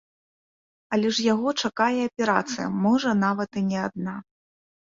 Але ж яго чакае аперацыя, можа нават і не адна.